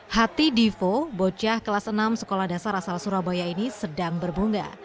hati divo bocah kelas enam sekolah dasar asal surabaya ini sedang berbunga